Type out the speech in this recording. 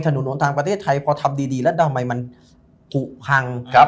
ท่านหมายฐานุนทางประเทศไทยพอทำดีแล้วทำไมมันกุพัง